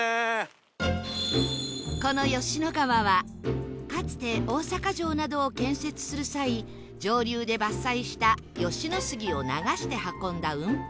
この吉野川はかつて大阪城などを建設する際上流で伐採した吉野杉を流して運んだ運搬路